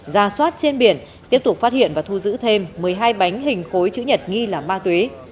ra soát trên biển tiếp tục phát hiện và thu giữ thêm một mươi hai bánh hình khối chữ nhật nghi là ma túy